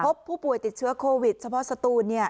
พบผู้ป่วยติดเชื้อโควิดเฉพาะสตูน